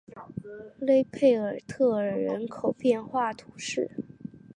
勒佩尔特尔人口变化图示